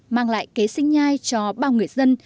mang lại kế sinh nhai cho bao người dân